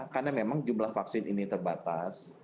karena memang jumlah vaksin ini terbatas